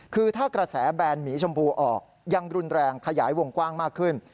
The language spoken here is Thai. คือถ้ากระแสแบนหมีชมพูออกยังรุนแรงขยายวงกว้างมากขึ้น